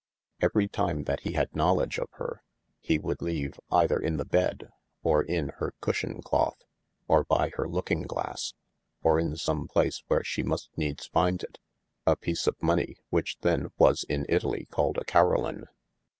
Every time that he had knowledge of hir, he would leave either in the bed, or in hir cusshencloth, or by hir looking glasse, or in some place where she must needes finde it, a piece of money which then was in Italie called a Caroline.